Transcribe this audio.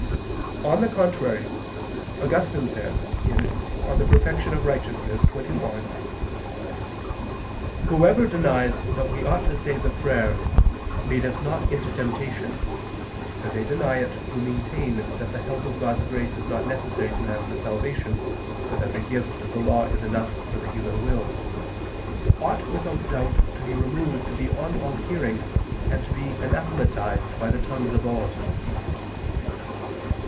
On the contrary, Augustine says (De Perfect Just. xxi): "Whoever denies that we ought to say the prayer 'Lead us not into temptation' (and they deny it who maintain that the help of God's grace is not necessary to man for salvation, but that the gift of the law is enough for the human will) ought without doubt to be removed beyond all hearing, and to be anathematized by the tongues of all."